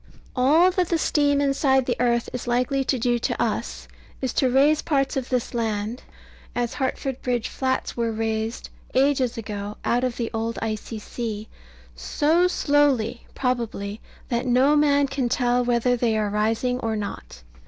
All that the steam inside the earth is likely to do to us, is to raise parts of this island (as Hartford Bridge Flats were raised, ages ago, out of the old icy sea) so slowly, probably, that no man can tell whether they are rising or not.